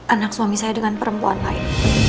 anak suami saya dengan perempuan lain